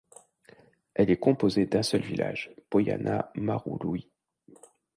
Elle est composée d'un seul village, Poiana Mărului.